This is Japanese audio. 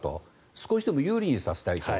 少しでも有利にさせたいと。